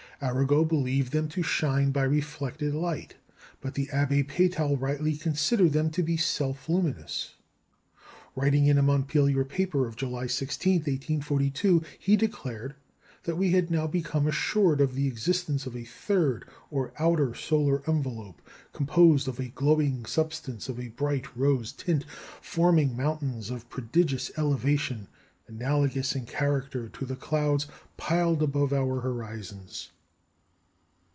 Arago believed them to shine by reflected light, but the Abbé Peytal rightly considered them to be self luminous. Writing in a Montpellier paper of July 16, 1842, he declared that we had now become assured of the existence of a third or outer solar envelope, composed of a glowing substance of a bright rose tint, forming mountains of prodigious elevation, analogous in character to the clouds piled above our horizons.